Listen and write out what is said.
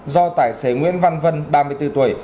do tài xế nguyễn văn vân ba mươi bốn tuổi